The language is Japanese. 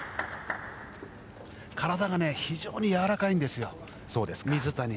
体が非常にやわらかいんですよ水谷。